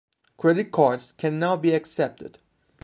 Credit cards can now be accepted.